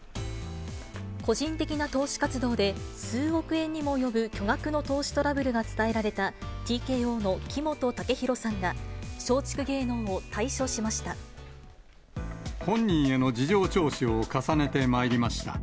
個人的な投資活動で、数億円にも及ぶ巨額の投資トラブルが伝えられたＴＫＯの木本武宏本人への事情聴取を重ねてまいりました。